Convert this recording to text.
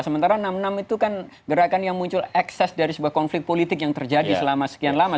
sementara enam puluh enam itu kan gerakan yang muncul ekses dari sebuah konflik politik yang terjadi selama sekian lama